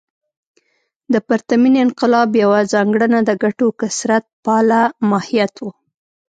د پرتمین انقلاب یوه ځانګړنه د ګټو کثرت پاله ماهیت و.